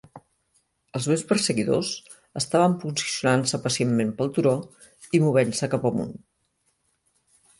Els meus perseguidors estaven posicionant-se pacientment pel turó, i movent-se cap amunt.